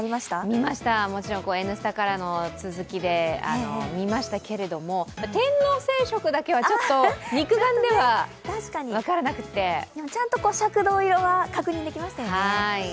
見ました、「Ｎスタ」からの続きで見ましたけれども天王星食だけは肉眼では分からなくてちゃんと赤銅色は確認できましたよね。